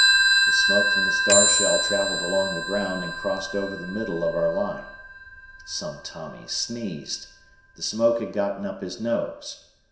The smoke from the star shell travelled along the ground and crossed over the middle of our line. Some Tommy sneezed. The smoke had gotten up his nose.